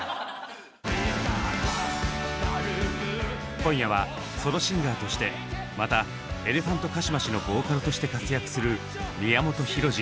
今夜はソロシンガーとしてまたエレファントカシマシのボーカルとして活躍する宮本浩次。